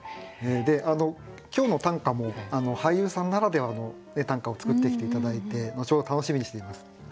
今日の短歌も俳優さんならではの短歌を作ってきて頂いて後ほど楽しみにしています。